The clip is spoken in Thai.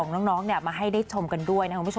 ของน้องเนี่ยมีอาการดูดี